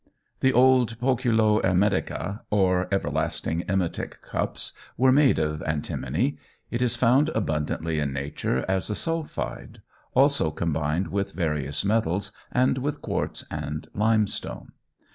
The old Poculo emetica or everlasting emetic cups, were made of antimony. It is found abundantly in nature as a sulphide, also combined with various metals, and with quartz and limestone.